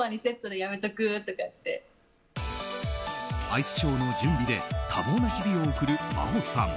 アイスショーの準備で多忙な日々を送る真央さん。